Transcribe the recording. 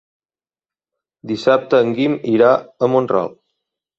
Dissabte en Guim irà a Mont-ral.